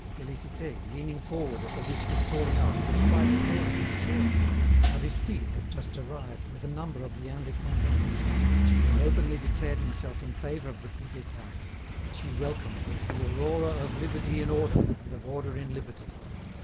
Félicité, leaning forward at the risk of falling out, was quite pale with joy. Aristide had just arrived with a number of the "Indépendant," in which he had openly declared himself in favour of the Coup d'État, which he welcomed "as the aurora of liberty in order and of order in liberty."